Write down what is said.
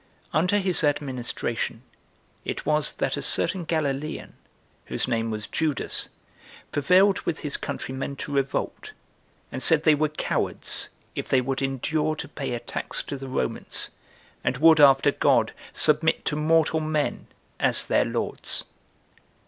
Under his administration it was that a certain Galilean, whose name was Judas, prevailed with his countrymen to revolt, and said they were cowards if they would endure to pay a tax to the Romans and would after God submit to mortal men as their lords.